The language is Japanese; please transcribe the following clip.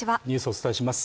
お伝えします